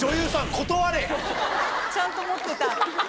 ちゃんと持ってた。